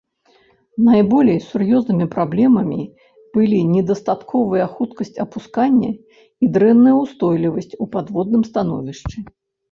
Найболей сур'ёзнымі праблемамі былі недастатковая хуткасць апускання і дрэнная ўстойлівасць у падводным становішчы.